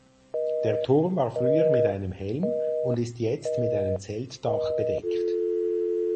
Der Turm war früher mit einem Helm und ist jetzt mit einem Zeltdach bedeckt.